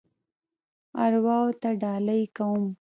ارواوو ته ډالۍ کوم.